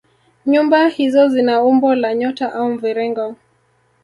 Nyumba hizo zina umbo la nyota au mviringo